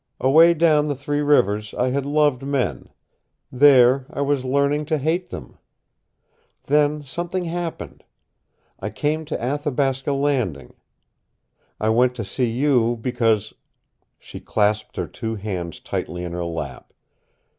Away down the Three Rivers I had loved men. There I was learning to hate them. Then, something happened. I came to Athabasca Landing. I went to see you because " She clasped her two hands tightly in her lap.